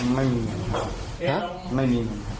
ไม่มีเงิน